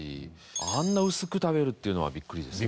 あんな薄く食べるっていうのはビックリですね。